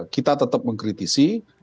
kita tetap mengkritisi